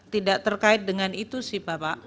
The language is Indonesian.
tidak terkait dengan itu sih bapak